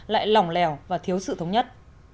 lại lỏng lẻo và thiếu sự thống nhất